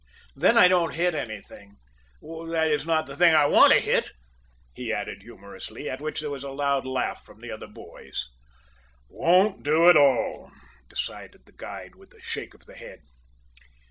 "Then I don't hit anything that is, not the thing I want to hit," he added humorously, at which there was a loud laugh from the other boys. "Won't do at all," decided the guide with a shake of the head.